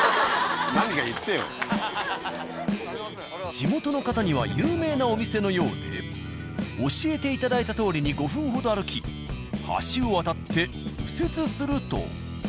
地元の方には有名なお店のようで教えていただいたとおりに５分ほど歩き橋を渡って右折すると。